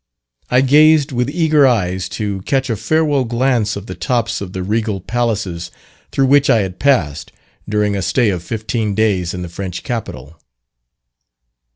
I gazed with eager eyes to catch a farewell glance of the tops of the regal palaces through which I had passed, during a stay of fifteen days in the French capital.